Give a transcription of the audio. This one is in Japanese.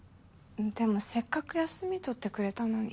でもせっかく休み取ってくれたのに。